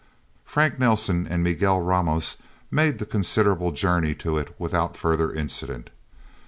Frank Nelsen and Miguel Ramos made the considerable journey to it without further incident.